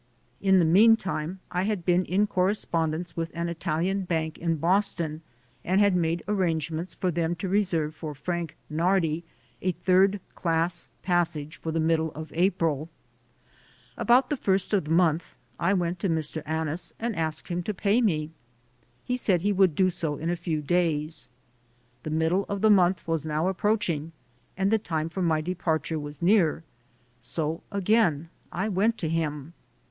In the meantime I had been in corre spondence with an Italian bank in Boston and had made arrangements for them to reserve for "Frank Nardi" a third class passage for the middle of April. About the first of the month I went to Mr. Annis and asked him to pay me. He said he would do so in a few days. The middle of the month was now approaching and the time for my departure was near, so again I went to him.